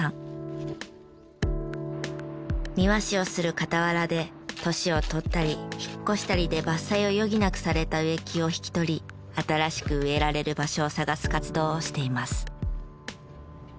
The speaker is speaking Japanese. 庭師をする傍らで年を取ったり引っ越したりで伐採を余儀なくされた植木を引き取り新しく植えられる場所を探す活動をしています。